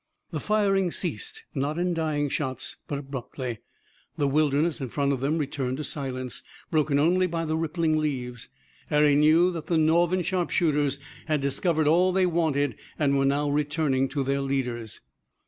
The firing ceased, not in dying shots, but abruptly. The Wilderness in front of them returned to silence, broken only by the rippling leaves. Harry knew that the Northern sharpshooters had discovered all they wanted, and were now returning to their leaders.